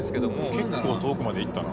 「結構遠くまで行ったな」